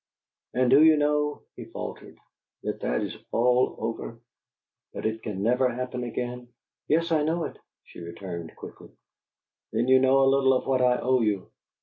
"And do you know," he faltered, "that that is all over? That it can never happen again?" "Yes, I know it," she returned, quickly. "Then you know a little of what I owe you."